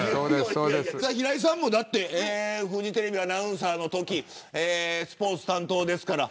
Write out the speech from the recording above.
平井さんもフジテレビアナウンサーのときスポーツ担当ですから。